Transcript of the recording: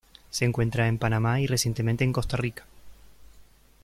Se encuentra en Panamá y recientemente en Costa Rica.